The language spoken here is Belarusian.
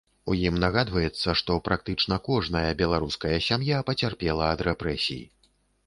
У ім нагадваецца, што практычна кожная беларуская сям'я пацярпела ад рэпрэсій.